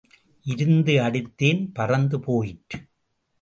இருந்து அடித்தேன் பறந்து போயிற்று.